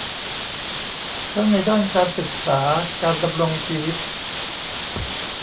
ทั้งในด้านการศึกษา การดำรงชีวิต